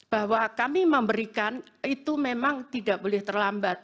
bahwa kami memberikan itu memang tidak boleh terlambat